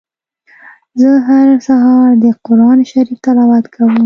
زه هر سهار د قرآن شريف تلاوت کوم.